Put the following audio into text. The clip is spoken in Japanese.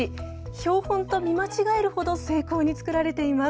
標本と見間違えるほど精巧に作られています。